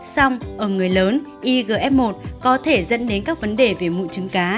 xong ở người lớn igf một có thể dẫn đến các vấn đề về mụn trứng cá